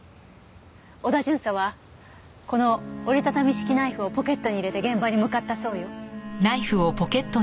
織田巡査はこの折りたたみ式ナイフをポケットに入れて現場に向かったそうよ。